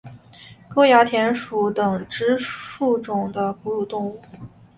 沟牙田鼠属等之数种哺乳动物。